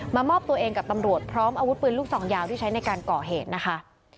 มามอบตัวเองกับตำรวจพร้อมอาวุธปืนลูกซองยาวที่ใช้ในการก่อเหตุนะคะ